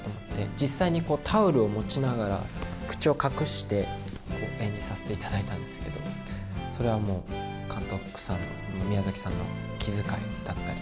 実際にタオルを持ちながら、口を隠して、演じさせていただいたんですけど、それはもう監督さんの、宮崎さんの気遣いだったり。